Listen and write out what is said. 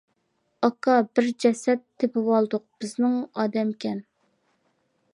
-ئاكا بىر جەسەت تېپىۋالدۇق بىزنىڭ ئادەمكەن!